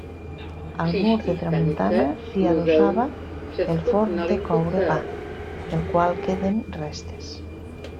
Al mur de tramuntana s'hi adossava el forn de coure pa, del qual queden restes.